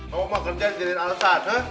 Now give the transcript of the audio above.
kalau mau kerja jadi alasan